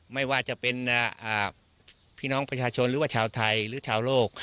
ไม่ว่าจะเป็นพี่น้องประชาชนชาวไทยชาวโลก